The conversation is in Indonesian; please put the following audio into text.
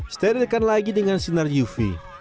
sterilkan lagi dengan sinar uv